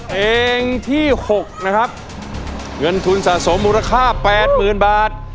เพลงที่๖นะครับเงินทุนสะสมมูลค่า๘๐๐๐บาท